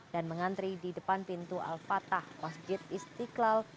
dan mengantri di depan pintu al fatah masjid istiqlal